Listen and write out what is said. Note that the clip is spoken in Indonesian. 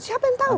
siapa yang tahu